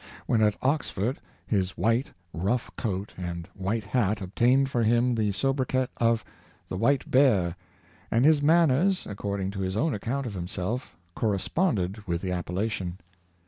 When at Oxford, his white, rough coat and white hat obtained for him the sobriquet of " The White Bear; " and his manners, according to his own Washington'' s Shyness, 537 account of himself, corresponded with the appellation.